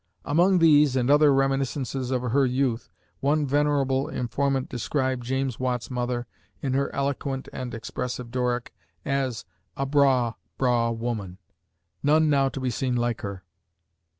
Among these and other reminiscences of her youth, one venerable informant described James Watt's mother, in her eloquent and expressive Doric, as, "a braw, braw, woman none now to be seen like her."